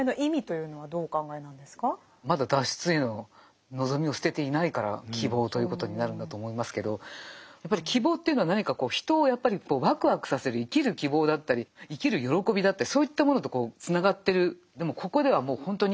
まだ脱出への望みを捨てていないから希望ということになるんだと思いますけどやっぱり希望というのは何か人をやっぱりわくわくさせる生きる希望だったり生きる喜びだったりそういったものとこうつながってる。